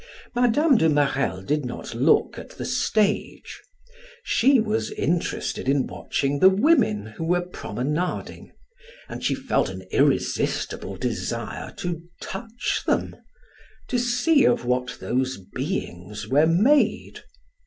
Mme. de Marelle did not look at the stage; she was interested in watching the women who were promenading, and she felt an irresistible desire to touch them, to see of what those beings were made.